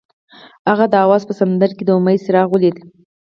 هغه د اواز په سمندر کې د امید څراغ ولید.